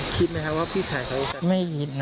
คิดมั้ยครับว่าพี่ชายเขาไม่คิดนะ